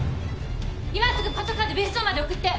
「今すぐパトカーで別荘まで送って！」